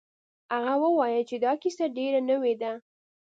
هغه وویل چې دا کیسه ډیره نوې ده.